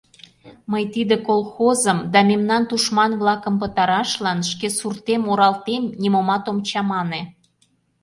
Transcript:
Мый тиде колхозым да мемнан тушман-влакым пытарашлан шке суртем-оралтем, нимомат ом чамане.